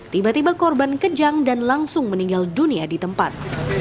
tiba tiba korban kejang dan langsung meninggal dunia di tempat